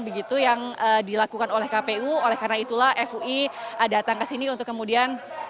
begitu yang dilakukan oleh kpu oleh karena itulah fui datang ke sini untuk kemudian